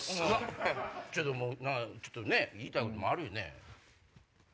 何かちょっと言いたいこともあるよね。